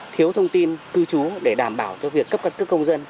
thiếu thông tin cư trú để đảm bảo cho việc cấp căn cước công dân